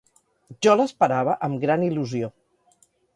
Jo l'esperava amb gran il·lusió